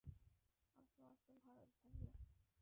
আসো, আসো ভারত ভাইয়া।